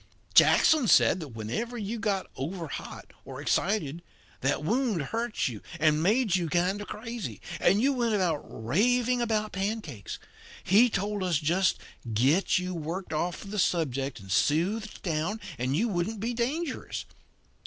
Jackson said that whenever you got overhot or excited that wound hurt you and made you kind of crazy, and you went raving about pancakes. He told us to just get you worked off of the subject and soothed down, and you wouldn't be dangerous.